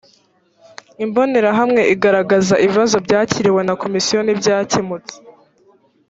imbonerahamwe igaragaza ibibazo byakiriwe na komisiyo n ibyakemutse